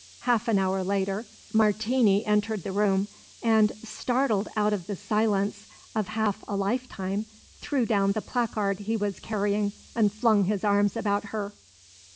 Half an hour later Martini entered the room, and, startled out of the silence of half a life time, threw down the placard he was carrying and flung his arms about her.